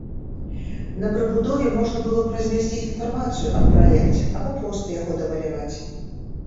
На прыбудове можна было б размясціць інфармацыю аб праекце або проста яго дамаляваць.